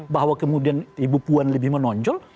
bahwa kemudian ibu puan lebih menonjol